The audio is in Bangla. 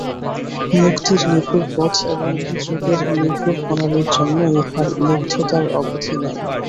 মুক্তির নিগূঢ় পথ এবং যোগের নিগূঢ় প্রণালীর জন্য ইঁহার লুব্ধতার অবধি নাই।